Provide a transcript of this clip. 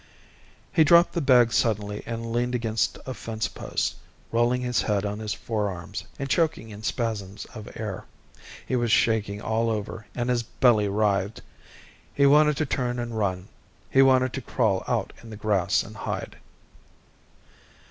He dropped the bag suddenly and leaned against a fence post, rolling his head on his forearms and choking in spasms of air. He was shaking all over, and his belly writhed. He wanted to turn and run. He wanted to crawl out in the grass and hide.